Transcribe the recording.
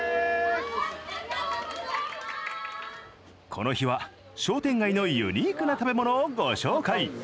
この日は、商店街のユニークな食べ物をご紹介。